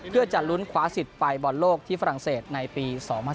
เพื่อจะลุ้นคว้าสิทธิ์ไปบอลโลกที่ฝรั่งเศสในปี๒๐๑๖